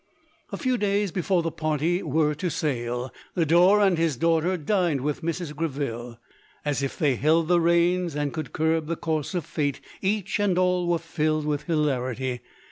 A few clays before the party were to sail, Lodorc and his daughter dined with Mrs. Gre ville. As if they held the reins, and could curb the course of, fate, each and all were filled with hilarity.